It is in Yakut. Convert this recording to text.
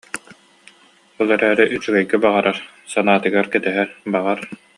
Ол эрээри үчүгэйгэ баҕарар санаатыгар кэтэһэр, баҕар